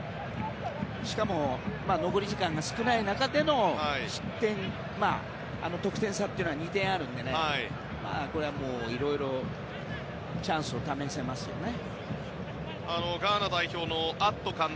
しかも残り時間が少ない中で得点差が２点あるので、これはいろいろチャンスを試せますよね。